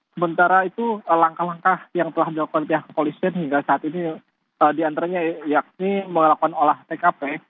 sementara itu langkah langkah yang telah dilakukan pihak kepolisian hingga saat ini diantaranya yakni melakukan olah tkp